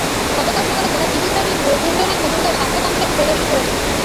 গতকাল সকালে জেলা সিভিল সার্জন রথীন্দ্রনাথ মজুমদার স্বাস্থ্য কমপ্লেক্স পরিদর্শন করেছেন।